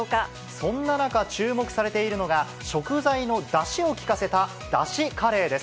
そんな中、注目されているのが、食材のだしを利かせた出汁カレーです。